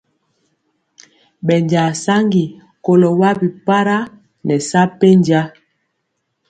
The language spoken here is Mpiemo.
Bɛnja saŋgi kɔlo waa bi para nɛ sa penja.